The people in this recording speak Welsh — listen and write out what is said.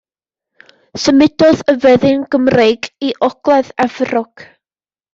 Symudodd y fyddin Gymreig i ogledd Efrog.